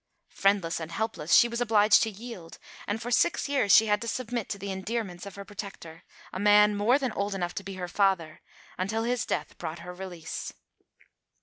Friendless and helpless, she was obliged to yield; and for six years she had to submit to the endearments of her protector, a man more than old enough to be her father, until his death brought her release.